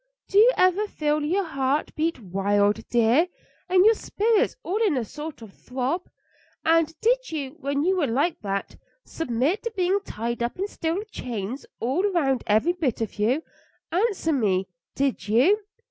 Do you ever feel your heart beat wild, dear, and your spirits all in a sort of throb? And did you, when you were like that, submit to being tied up in steel chains all round every bit of you? Answer me: did you?"